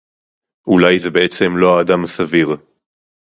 אולי זה בעצם לא האדם הסביר